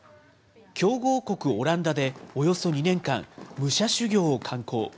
強豪国オランダでおよそ２年間、武者修行を敢行。